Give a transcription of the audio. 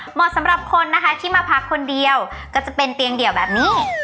เหมาะสำหรับคนนะคะที่มาพักคนเดียวก็จะเป็นเตียงเดี่ยวแบบนี้